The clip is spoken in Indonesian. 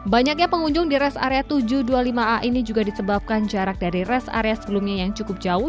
banyaknya pengunjung di rest area tujuh ratus dua puluh lima a ini juga disebabkan jarak dari rest area sebelumnya yang cukup jauh